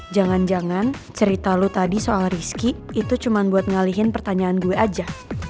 jangan jangan cerita lo tadi soal rizky itu cuma buat ngalihin pertanyaan gue aja